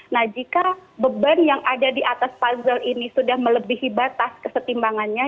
nah jika beban yang ada di atas puzzle ini sudah melebihi batas kesetimbangannya